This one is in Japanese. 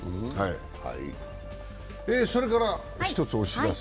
それから一つお知らせ。